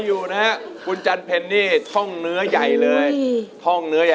มูลจันเป็นครับตกลงว่า